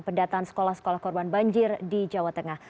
pendataan sekolah sekolah korban banjir di jawa tengah